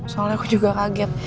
soalnya aku juga kaget